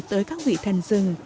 tới các vị thần rừng